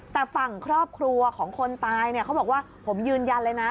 แต่ฝั่งครอบครัวของคนตายเนี่ยเขาบอกว่าผมยืนยันเลยนะ